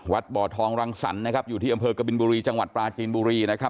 บ่อทองรังสรรค์นะครับอยู่ที่อำเภอกบินบุรีจังหวัดปลาจีนบุรีนะครับ